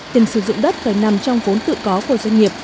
tiền sử dụng đất phải nằm trong vốn tự có của doanh nghiệp